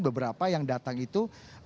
beberapa yang datang itu